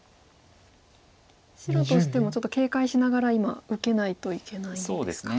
白としてもちょっと警戒しながら今受けないといけないんですか。